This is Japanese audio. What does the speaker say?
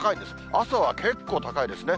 朝は結構高いですね。